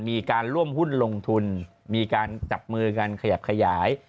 มีการร่วมหุ้นลงทุนมีการจับมือกันขยับขยาย